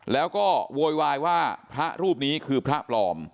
แล้วก็โวยวายว่าพระรูปนี้คือพระปลอม